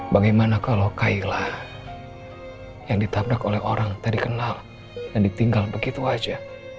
bagaimana kalau kaila yang ditabrak oleh orang yang tak dikenal dan ditinggal begitu saja